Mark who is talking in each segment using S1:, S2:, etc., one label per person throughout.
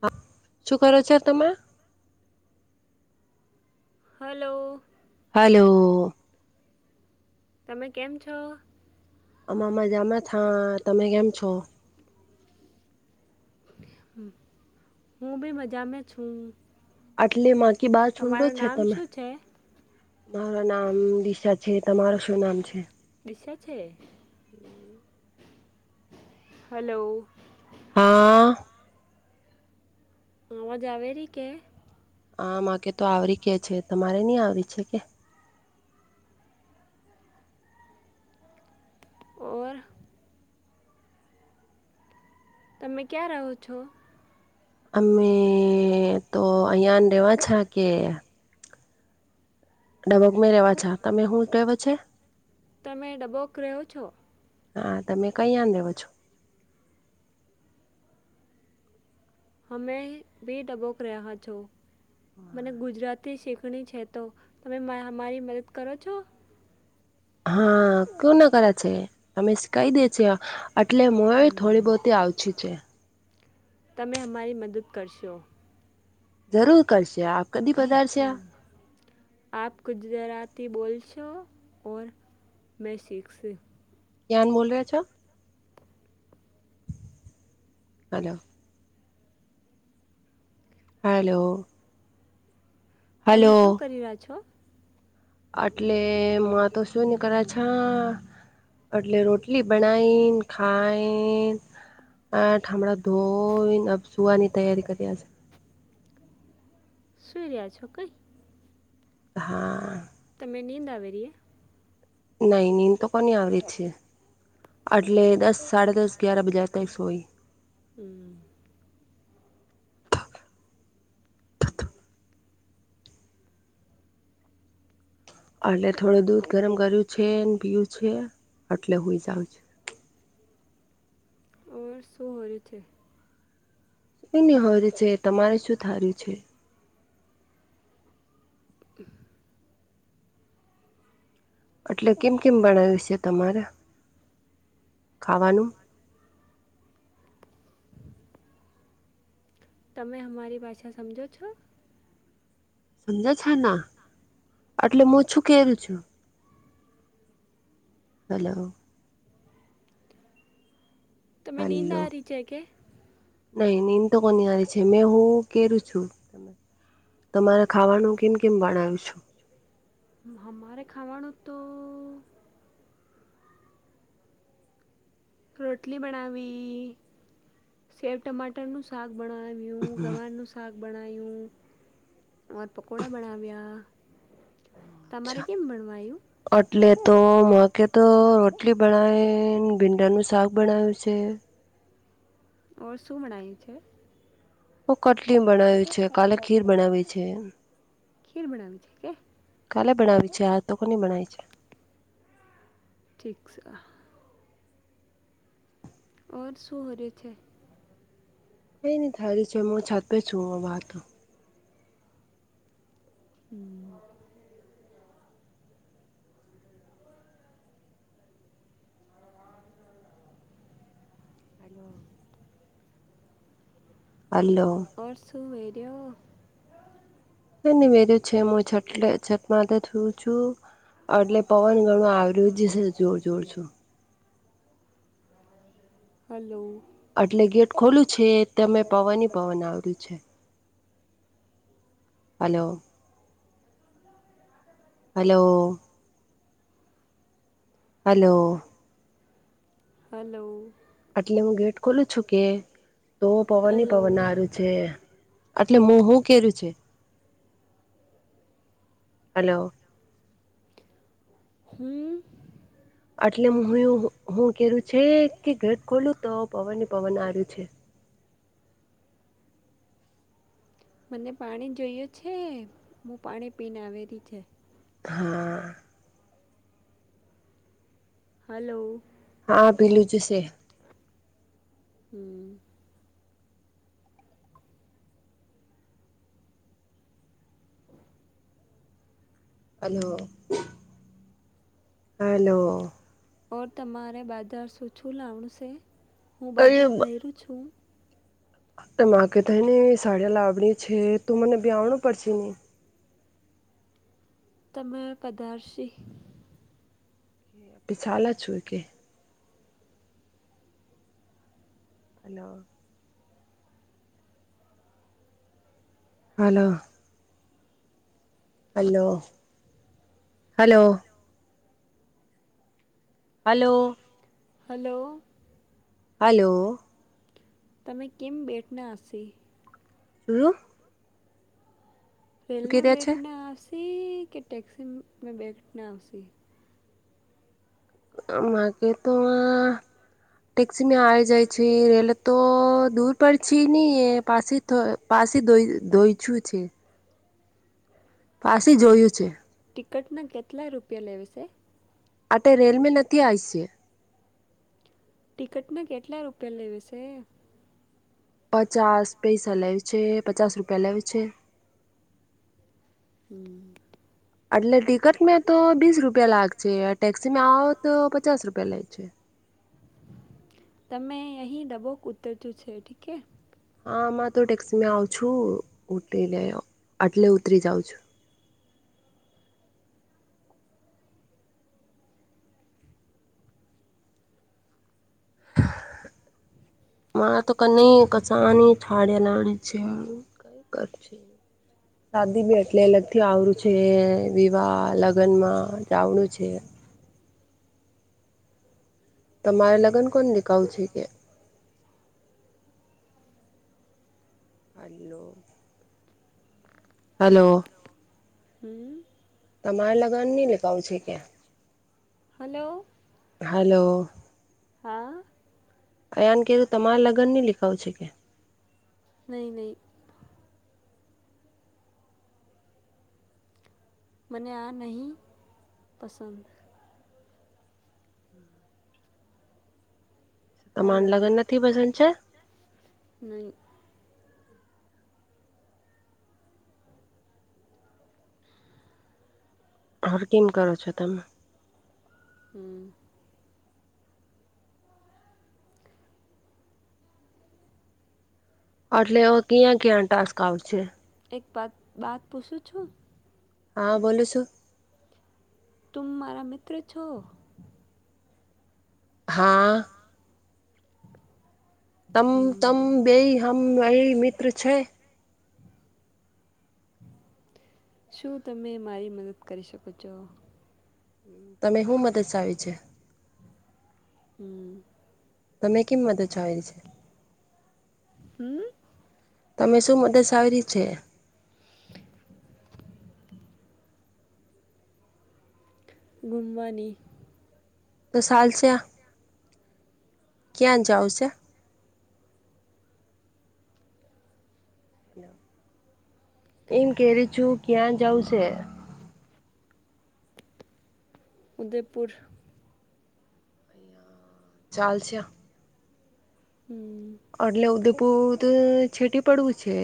S1: હા શું કરો છો તમે?
S2: હલો.
S1: હલો
S2: તમે કેમ છો?
S1: અમે મજામાં થા. તમે કેમ છો?
S2: હું બી મજામે છું.
S1: આટલી માકી બાર ચૂડો
S2: તમારું
S1: છે [unintelligible]
S2: નામ
S1: તમે
S2: શું છે
S1: મારા નામ દિશા છે. તમારુ શું નામ છે?
S2: દિશા છે?
S1: હમ
S2: હલો?
S1: હા
S2: અવાજ આવેરી કે?
S1: આ માકે તો આવરી કે છે તમારે નહી આવી છે કે.
S2: ઓર તમે ક્યાં રહો છો?
S1: અમે તો અહીયા રેવાછા [unintelligible] કે ડઢબકમાં રવા છ તમે શું રહવ છે [unintelligible]
S2: તમે ડબોક રહો છો?
S1: હા તમે કઈયાને રેવો છો?
S2: અમે બી ડબોક રહ્યા છો. મને ગુજરાત તી શીખણી છે. તો તમે અમારી મદદ કરો છો?
S1: હા કું ના કરે છે અમે શ કઈ દે છ એટલે મોએ
S2: હમ,
S1: થોડી બહતી આવછી છે.
S2: તમે અમારી મદદ કરશો.
S1: જરૂર કરશે આપ કદી પધાર
S2: અમમ આપ ગુજરાતી બોલ છો. ઓર મેં શીખસે.
S1: કયાન બોલ રહ્યા છો? હલો હલો
S2: તમે
S1: હલો
S2: શું કરી રહ્યા છો?
S1: એટલે મા તો શું નીકળે છા? એટલે રોટલી બનાઈન, ખાઈન એઠ ઠામણાં ધોઈન, સુવાની તૈયારી કર્યા છે.
S2: સુૂઈ રહ્યા છો કઈ?
S1: હા
S2: તમે નીંદ આવેરીએ.
S1: નઈ નીદ તો કોની આવે છે. એટલે દસ, સાડા દસ, ગ્યીયાર બજાતે સોઈ.
S2: હમ
S1: એટલે થોડું દૂધ ગરમ કર્યું છે, ને પીયું છે, એટલે હૂઈ જાવ છે
S2: ઓ શું હો ર છે [unintelligible]
S1: કંઇ નઇ હો રુ છે તમારે શું થાર્યું છે?
S2: તે [unintelligible]
S1: એટલે કેમ કેમ બનાવ્યું છે તમારે ખાવાનું.
S2: [inaudible] તમે અમારી ભાષા સમજો છો?
S1: સમજાય છે ના એટલે હું શું કેરૂ છું. હલો
S2: તમે નીંદ
S1: હલો
S2: આવરી છે કે?
S1: નહી નીદ તો કોનીયારી છે મેં હું કેરૂ છું તમારે ખાવાનું કેમ કેમ બણાવ્યું છે?
S2: હમારે ખાવાનું તો રોટલી બનાવી, સેવ ટમાટ ટ નું શાક બણ્યું ગવારનું સાક બનાાયું, ઓર પકકોડા બનાાવ્યા. તમારે
S1: અચ્છા
S2: કેમ ભણવાયું?
S1: એટલે તો માકે તો રોટલી ભણવે ભીંડાનું શાક બણયું છે.
S2: ઓર શું મણાય છે?
S1: હ કટલી બનાવ્યું છે કાલે ખીર બનાવી છે.
S2: ખીર બનાની છે કે?
S1: કાલે ભણાવી છે આ તો કોની બણાય છે.
S2: ઠીક છે. ઓઔર શહરે છે?
S1: કઈ ન થારી છે હું છાપે છું વાતો.
S2: હમ. [unintelligible]
S1: હલો [inaudible] હાલો.
S2: ઓરસું હર્યો?
S1: મેધું છે હું છટલે છટમાં થું છું. એટલે પવન ગણું આવર્યું જશે જોર જોર છું.
S2: હલો.
S1: એટલે ગેટ ખોલું છે તમે પવન પવન આવર્યું છે. Hello, hello. હલો.
S2: હલો.
S1: આટલે હું ગેટ ખોલું છું કે તો પવન
S2: હલો
S1: પવનરું છે, એટલે મો હું કે્યું છે? હલો.
S2: હમ.
S1: એટલે હું કેછે કે ઘર ખોલું તો પવન પવન આર્યું છે.
S2: મને પાણી જોયું છે હું પાણી પીને આવેલી છે.
S1: હા.
S2: હલો.
S1: હા ભીલું જશે.
S2: હમ. [inaudible]
S1: Hello, hello.
S2: ઓર તમારે બાજાર શું છું લાવશે? હું બજાર જઈું છું.
S1: મા કે થાય ને સાડીયા લાવડી છે તું મને બ્યા આવડું પડશે નને.
S2: તમે કદારશી.
S1: પિછાલા છું કે? અલ [inaudible] હાલો. Hello, hello. Hello.
S2: Hello.
S1: Hello.
S2: તમે કેમ બેટના હશે?
S1: શું? શું કહી
S2: રેલમાં
S1: રહ્યા છે
S2: બેઠ ના આવશે કે ટેક્સીમાં બેઠ ના આવશે?
S1: માગે તો ટેક્સીમાં આવી જાય છે રેલે તો દૂર પડી ચીની એ પાસે પાસે દોઈ દોઈ છું છે. પાછી જોયું છે.
S2: ટિકટના કેટલા રૂપિયા લેવી છે?
S1: અટ રેલ મે નથી આઈ છે.
S2: ટિકટમાં કેટલા રૂપિયા લેવે છે?
S1: પચાસ પૈસા લેવ છે પચાસ રૂપિયા લેવ છે.
S2: હમ.
S1: એટલે ટિકટ મે તો બીસ રૂપિયા લાગશે ટેક્સીમાં આવો તો પચાસ રૂપિયા લે છે.
S2: તમે અહી દબોક ઉતરતું છે ઠીક.
S1: હામાં તો ટેક્સીમાં આવ છું ઉઠ લે આટલે ઉતરી જાઉ છું.
S2: [inaudible]
S1: માથ કને કસની છાડે છે ક.
S2: [inaudible]
S1: શાદી બી એટલે અલગ થી આવરું છે વિવાહ લગ્નમાં જાવનું છે. તમારે લગ્ન કોણ દેખાવું છે કે? હાલો. હલો.
S2: હમ.
S1: તમારે લગન નઈ લેગાવું છે ક્યાં?
S2: હલો.
S1: હલો.
S2: હા.
S1: અયાને કધું તમારા લગ્ન ની લેખાઓ છે કે?
S2: નઈ નહી. મને આ નહીં પસંદ.
S1: માન
S2: હલો
S1: લગન નથીથી બસન છે?
S2: નહી.
S1: ઓર કમ કરો છો તમે?
S2: હમ.
S1: એટલે ક્યાં ક્યાં ટાસ્ક આવશે?
S2: એક પત વાત પૂછું છું?
S1: હા બોલું છું?
S2: તું મારા મિત્ર છો?
S1: હા. તમ
S2: હમ
S1: તમ બેય હ એ મિત્ર છે.
S2: શું તમે મારી મદદ કરી શકો છો?
S1: તમે શું મદદ આવી છે?
S2: હમ.
S1: તમે કંમતે છય છે?
S2: હમ.
S1: તમે શું મદદ આવીરી છે?
S2: ગુમવાની.
S1: તો સાલ છે, ક્યાં જાઉ છે? એમ કે છું ક્યાં જઉં છે?
S2: ઉદયપુર.
S1: ચાલ છે.
S2: હમ.
S1: એટલે ઉદેપુર તુ છેટી પડવું છે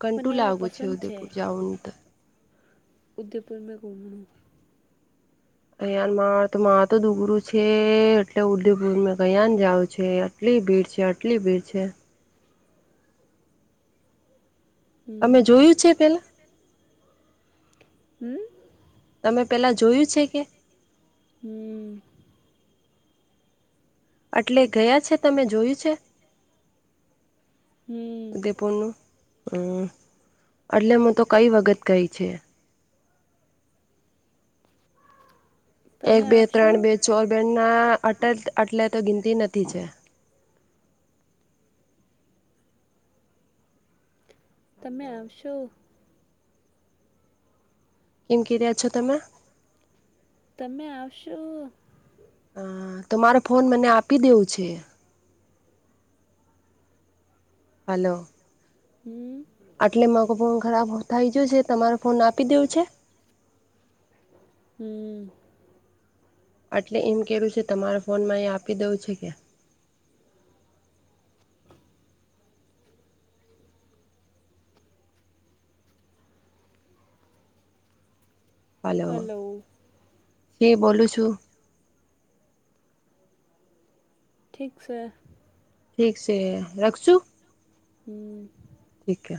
S1: ઘંટુ
S2: મને એવો
S1: લાગુ છે
S2: પસંદ
S1: ઉદયપુર જાઉન ત
S2: ઉધમપુર મે ઘુમનું
S1: અયાર માર તો માથું દુખરું છે. એ એટલે ઉદયપુર મે કયા ને જાવ છે આટલી ભીડ છે. આટલી ભીડ છે
S2: હમ
S1: તમે જોયું છે
S2: જોય
S1: પેલા
S2: હમ
S1: તમે પેલા જોયું છે કે?
S2: હમ
S1: એટલે ગયા છે તમે જોયું છે?
S2: હમ
S1: ઉદયપુર નું હમ એટલે હું તો કઈ વખત ગઈ છે. એક
S2: તમે
S1: બે
S2: આવશો
S1: ત્રણ બે ચોર બે ના અટ આટલે તો ગિનતી નથી છે.
S2: તમે
S1: હલો.
S2: આવશો.?
S1: ઈમ કીરયા છો તમે
S2: તમે આવશો?
S1: હ તો મારો ફોન મને આપી દેવું છે. હલો
S2: હમ
S1: આટલે માકો ફોન ખરાબ થાય ગયો છે, તમારે ફોન આપી દેવો છે?
S2: હમ
S1: એટલે એમ કેવું છે તમારા ફોનમાં એ આપી દેવું છે કે. હલો? તે બોલું છું.
S2: ઠીક છે.
S1: ઠીક છે રાખશું?
S2: હમ
S1: ઠીકે.